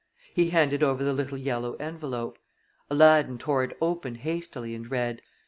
He handed over the little yellow envelope. Aladdin tore it open hastily and read: M.